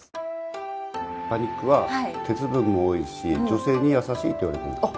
馬肉は鉄分も多いし女性に優しいと言われてるんです。